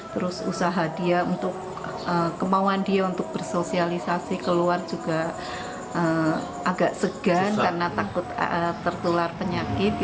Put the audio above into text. terus usaha dia untuk bersosialisasi keluar juga agak segan karena takut tertular penyakit